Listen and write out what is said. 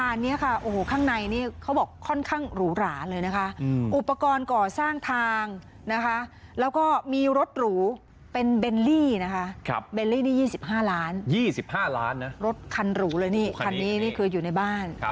รถคันหรูเลยนี่คันนี้คืออยู่ในบ้าน